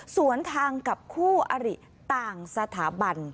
สวนทางกับคู่อริต่างสถาบัน